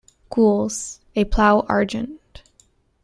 Gules, a plough Argent.